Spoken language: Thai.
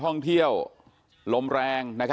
ท่องเที่ยวลมแรง